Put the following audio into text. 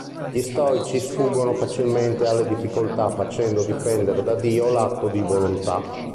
Gli stoici sfuggono facilmente alle difficoltà facendo dipendere da Dio l'atto di volontà.